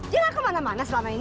ya bukan kamu yang nemuin